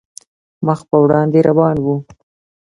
مخ په وړاندې روان وو.